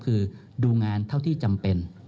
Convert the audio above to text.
คือดูงานเท่าที่จำเป็น